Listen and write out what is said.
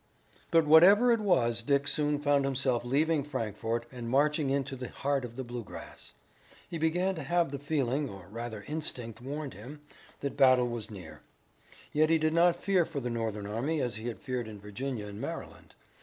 But whatever it was Dick soon found himself leaving Frankfort and marching into the heart of the Bluegrass. He began to have the feeling, or rather instinct warned him, that battle was near. Yet he did not fear for the Northern army as he had feared in Virginia and Maryland.